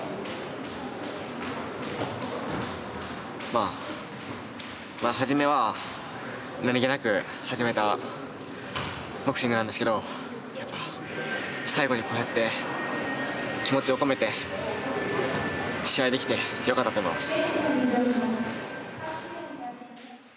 まあまあ初めは何気なく始めたボクシングなんですけどやっぱ最後にこうやって気持ちを込めて試合できてよかったと思います。